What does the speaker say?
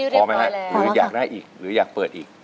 พอไหมฮะหรืออยากได้อีกหรืออยากเปิดอีก